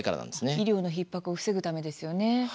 医療のひっ迫を防ぐためですよね。